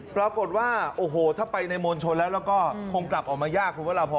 ปรากฏว่าโอ้โหถ้าไปในมวลชนแล้วแล้วก็คงกลับออกมายากคุณพระราพร